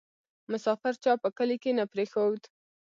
ـ مسافر چا په کلي کې نه پرېښود